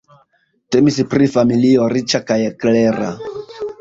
Temis pri familio riĉa kaj klera.